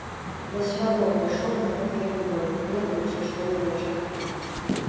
Я свядома ішоў на гэтыя выбары, ведаючы, што мяне чакае.